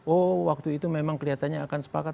oh waktu itu memang kelihatannya akan sepakat